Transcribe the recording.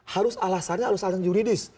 harus alasannya alasan juridis